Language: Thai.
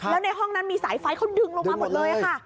แล้วในห้องนั้นมีสายไฟเขาดึงลงมาหมดเลยค่ะ